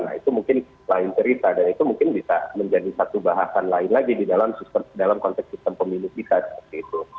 nah itu mungkin lain cerita dan itu mungkin bisa menjadi satu bahasan lain lagi di dalam konteks sistem komunitas